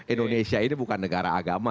indonesia ini bukan negara agama